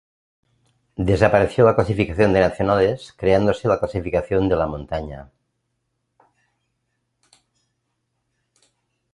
Desapareció la clasificación de nacionales creándose la clasificación de la montaña.